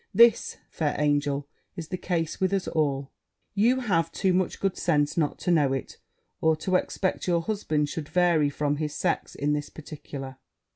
This, fair angel, is the case with us all you have too much good sense not to know it, or to expect your husband should vary from his sex in this particular.